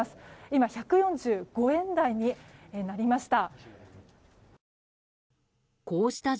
今、１４５円台になりました。